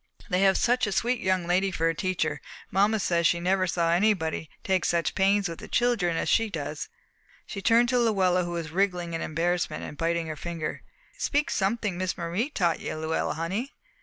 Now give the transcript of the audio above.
They have such a sweet young lady for a teacher; mamma says she never saw anybody take such pains with the children as she does." She turned to Luella who was wriggling in embarrassment and biting her finger. "Speak something Miss Marie taught you, Luella honey."